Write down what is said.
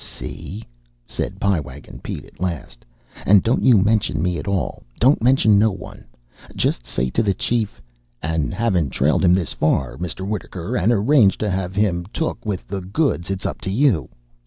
"See?" said Pie Wagon at last. "And don't you mention me at all. Don't mention no one. Just say to the Chief: 'And havin' trailed him this far, Mr. Wittaker, and arranged to have him took with the goods, it's up to you?'